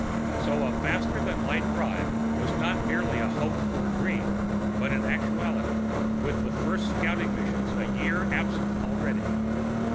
So a faster than light drive was not merely a hoped for dream, but an actuality with the first scouting mission a year absent already!